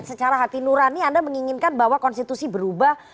secara hati nura ini anda menginginkan bahwa konstitusi berubah